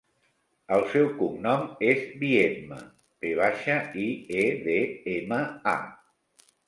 El seu cognom és Viedma: ve baixa, i, e, de, ema, a.